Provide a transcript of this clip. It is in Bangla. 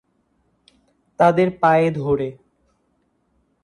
তাদের পায়ে ধরে।